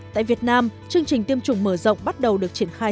tại việt nam chương trình tiêm chủng mở rộng bắt đầu được triển khai